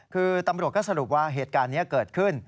คือตำรวจก็สรุปว่าเหตุการณ์นี้เกิดขึ้น